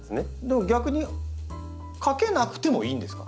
逆にかけなくてもいいんですか？